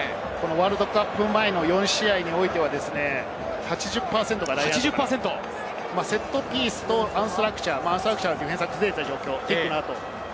ワールドカップ前の４試合において、８０％がラインアウト、セットピースとアンストラクチャー、ディフェンスが崩れた状況です。